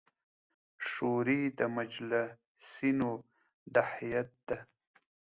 شوري د مجلسـینو د هیئـت د